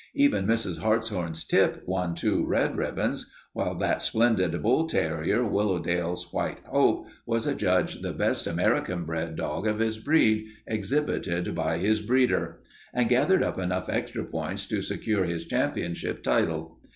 Even Mrs. Hartshorn's Tip won two red ribbons, while that splendid bull terrier, Willowdale's White Hope, was adjudged the best American bred dog of his breed exhibited by his breeder, and gathered up enough extra points to secure his championship title.